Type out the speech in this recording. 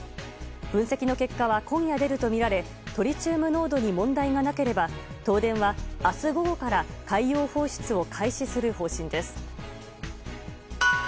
分析の結果は今夜出るとみられトリチウム濃度に問題がなければ東電は明日午後から海洋放出を開始する方針です。